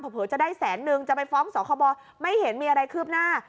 เผลอจะได้แสนนึงจะไปฟ้องสคบไม่เห็นมีอะไรคืบหน้า